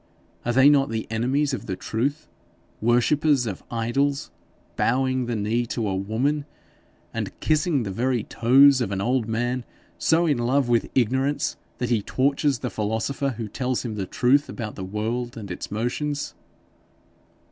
Are they not the enemies of the truth worshippers of idols, bowing the knee to a woman, and kissing the very toes of an old man so in love with ignorance, that he tortures the philosopher who tells him the truth about the world and its motions?'